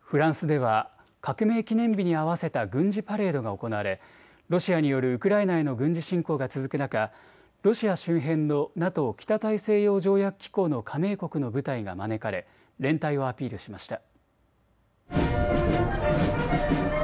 フランスでは革命記念日に合わせた軍事パレードが行われロシアによるウクライナへの軍事侵攻が続く中ロシア周辺のＮＡＴＯ・北大西洋条約機構の加盟国の部隊が招かれ連帯をアピールしました。